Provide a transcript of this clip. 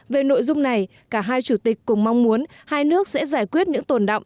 về nội dung này cả hai chủ tịch cùng mong muốn hai nước sẽ giải quyết những tồn động